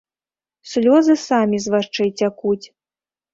Слёзы самі з вачэй цякуць.